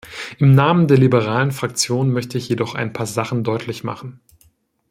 Im Namen der liberalen Fraktion möchte ich jedoch ein paar Sachen deutlich machen.